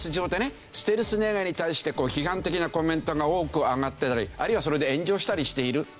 ステルス値上げに対して批判的なコメントが多く上がってたりあるいはそれで炎上したりしているというわけで。